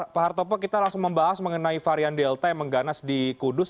pak hartopo kita langsung membahas mengenai varian delta yang mengganas di kudus